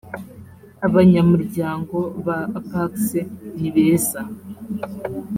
abanyamuryango ba apax ni beza